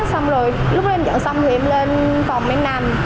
xong rồi lúc em dọn xong thì em lên phòng em nằm